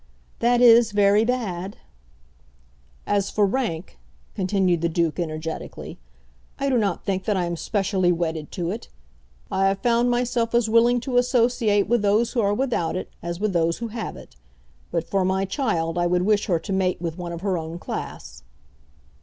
"That is very bad." "As for rank," continued the Duke energetically, "I do not think that I am specially wedded to it. I have found myself as willing to associate with those who are without it as with those who have it. But for my child, I would wish her to mate with one of her own class."